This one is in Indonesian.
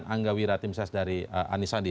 angga wira tim ses dari anies sandi